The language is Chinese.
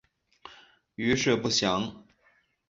余事不详。